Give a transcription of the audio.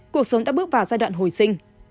cuộc sống đã bước vào giai đoạn hồi sinh